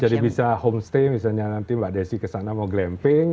jadi bisa homestay misalnya nanti mbak desi ke sana mau glamping